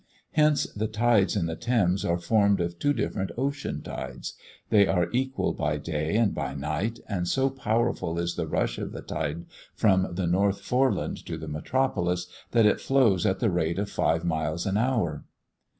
Hence the tides in the Thames are formed of two different ocean tides; they are equal by day and by night, and so powerful is the rush of the tide from the North Foreland to the metropolis, that it flows at the rate of five miles an hour.